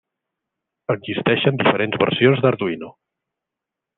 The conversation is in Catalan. Existeixen diferents versions d'Arduino.